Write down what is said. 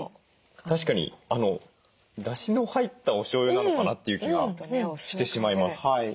確かにだしの入ったおしょうゆなのかなという気がしてしまいます。